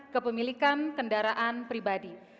kepemilikan kendaraan pribadi